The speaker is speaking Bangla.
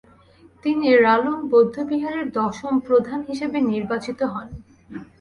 তিনি রালুং বৌদ্ধবিহারের দশম প্রধান হিসেবে নির্বাচিত হন।